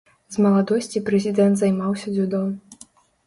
З маладосці прэзідэнт займаўся дзюдо.